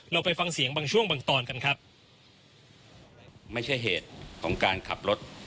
เราไปฟังเสียงบางช่วงบางตอนกันครับ